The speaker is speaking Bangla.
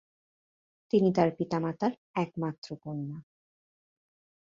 তিনি তার পিতামাতার একমাত্র কন্যা।